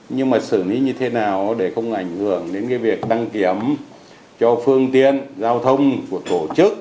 nhưng mà xử lý như thế nào để không ảnh hưởng đến việc đăng kiểm cho phương tiện giao thông của tổ chức